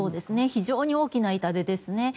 非常に大きな痛手ですね。